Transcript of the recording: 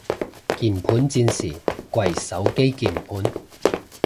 鍵盤戰士跪手機鍵盤